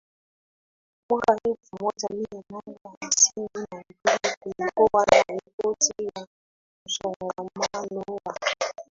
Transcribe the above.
Mwaka elfu moja mia nane hamsini na mbili kulikuwa na ripoti ya msongamano wa